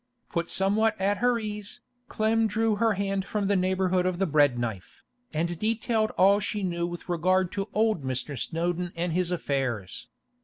Put somewhat at her ease, Clem drew her hand from the neighbourhood of the bread knife, and detailed all she knew with regard to old Mr. Snowdon and his affairs.